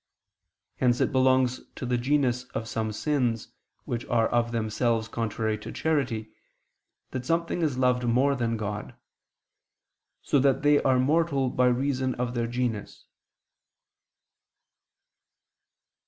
Hence it belongs to the genus of some sins, which are of themselves contrary to charity, that something is loved more than God; so that they are mortal by reason of their genus.